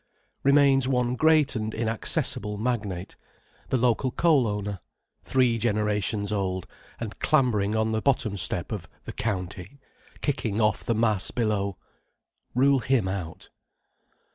Remains one great and inaccessible magnate, the local coal owner: three generations old, and clambering on the bottom step of the "County," kicking off the mass below. Rule him out.